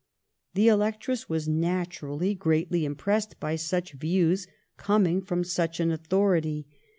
The Electress was naturally greatly impressed by such views coming from such an authority.